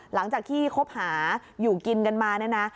หลังจากที่คบหาอยู่กินกันมาเนี่ยนะ